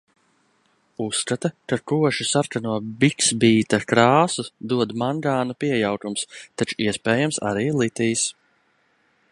Uzskata, ka koši sarkano biksbīta krāsu dod mangāna piejaukums, taču iespējams, arī litijs.